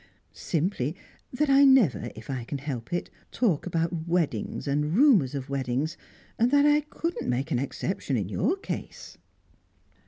"Simply that I never, if I can help it, talk about weddings and rumours of weddings, and that I couldn't make an exception in your case."